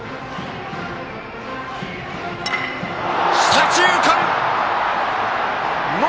左中間！